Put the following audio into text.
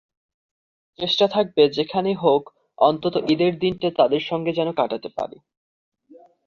চেষ্টা থাকবে যেভাবেই হোক অন্তত ঈদের দিনটি তাঁদের সঙ্গে যেন কাটাতে পারি।